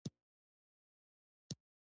پسه د افغانستان د پوهنې په نصاب کې شامل دی.